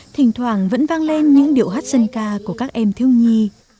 thỉnh thoảng vẫn vang lên những điệu hát dân ca của các em thiếu nhi